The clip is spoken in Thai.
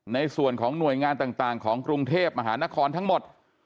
ในส่วนของหน่วยงานต่างของกรุงเทพมหานครทั้งหมด